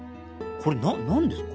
これ何ですか？